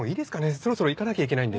そろそろ行かなきゃいけないんで。